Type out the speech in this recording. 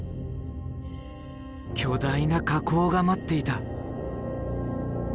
巨大な火口が待っていた。